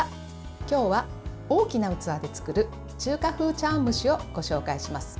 今日は大きな器で作る中華風茶碗蒸しをご紹介します。